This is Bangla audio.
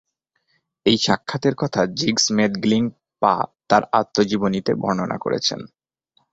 এই সাক্ষাতের কথা 'জিগ্স-মেদ-গ্লিং-পা তার আত্মজীবনীতে বর্ণনা করেছেন।